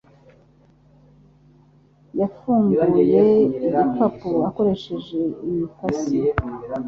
yafunguye igikapu akoresheje imikasi.